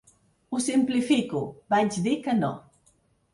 Ho simplifico, vaig dir que no.